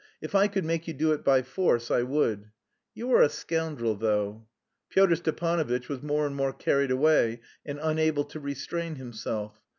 If I could make you do it by force, I would. You are a scoundrel, though." Pyotr Stepanovitch was more and more carried away and unable to restrain himself.